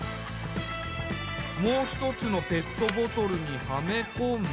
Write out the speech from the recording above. もう一つのペットボトルにはめ込んで。